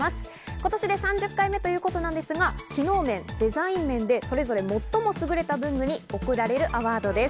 今年で３０回目ということですが、機能面、デザイン面でそれぞれ最もすぐれた文具に贈られるアワードです。